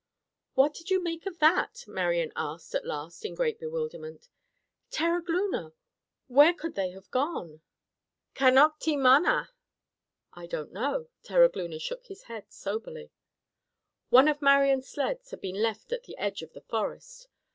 "What did you make of that?" Marian asked at last in great bewilderment. "Terogloona, where could they have gone?" "Canok ti ma na" (I don't know), Terogloona shook his head soberly. One of Marian's sleds had been left at the edge of the forest.